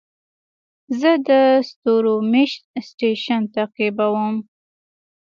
زه د ستورمېشت سټېشن تعقیبوم.